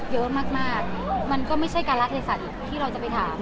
เยอะมากมันก็ไม่ใช่การละเทศัตริย์ที่เราจะไปถาม